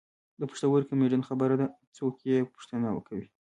د پېښوري کمیډین خبره ده څوک یې پوښتنه کوي.